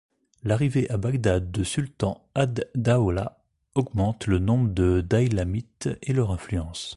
L'arrivée à Bagdad de Sultan ad-Dawla augmente le nombre des daylamites et leur influence.